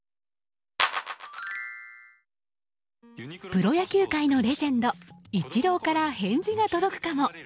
プロ野球界のレジェンドイチローから返事が届くかも。